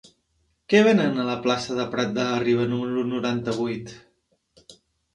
Què venen a la plaça de Prat de la Riba número noranta-vuit?